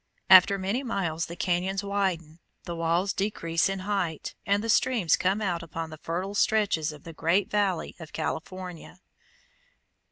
After many miles the cañons widen, the walls decrease in height, and the streams come out upon the fertile stretches of the Great Valley of California.